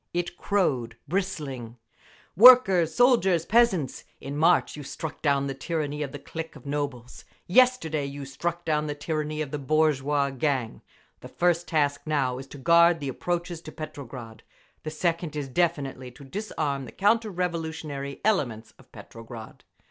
It crowed, bristling: Workers, soldiers, peasants! In March you struck down the tyranny of the clique of nobles. Yesterday you struck down the tyranny of the bourgeois gang…. The first task now is to guard the approaches to Petrograd. The second is definitely to disarm the counter revolutionary elements of Petrograd.